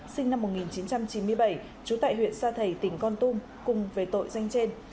sinh năm một nghìn chín trăm chín mươi bảy trú tại huyện sa thầy tỉnh con tum cùng về tội danh trên